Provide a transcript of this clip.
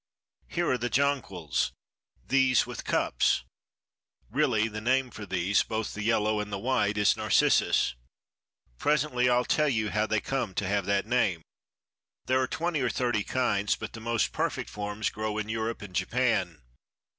"Here are the jonquils—these with cups. Really the name for these, both the yellow and the white, is Narcissus. Presently I'll tell you how they came to have that name. There are twenty or thirty kinds, but the most perfect forms grow in Europe and Japan.